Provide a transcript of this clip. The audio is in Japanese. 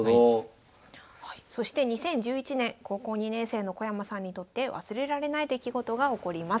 そして２０１１年高校２年生の小山さんにとって忘れられない出来事が起こります。